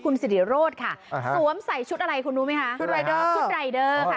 คุณสิริโรธค่ะสวมใส่ชุดอะไรคุณรู้ไหมคะชุดรายเดอร์ชุดรายเดอร์ค่ะ